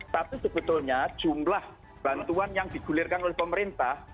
tapi sebetulnya jumlah bantuan yang digulirkan oleh pemerintah